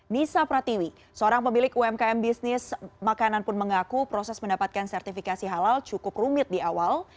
nisa pratiwi seorang pemilik umkm bisnis makanan pun mengaku proses mendapatkan sertifikasi halal cukup rumit di awal